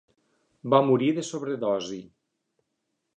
Va morir de sobredosi.